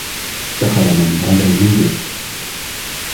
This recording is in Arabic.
دخل منّاد المنزل.